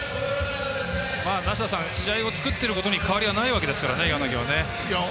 梨田さん試合を作っていることに変わりはないですからね、柳は。